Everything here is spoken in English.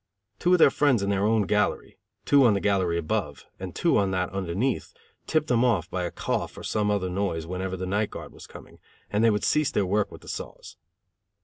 Two of their friends in their own gallery, two on the gallery above and two on that underneath, tipped them off, by a cough or some other noise, whenever the night guard was coming; and they would cease their work with the saws.